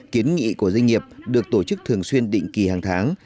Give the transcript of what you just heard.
kiến nghị của doanh nghiệp được tổ chức thường xuyên định kỳ hàng tháng